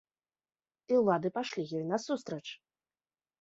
І ўлады пайшлі ёй насустрач.